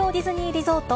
リゾート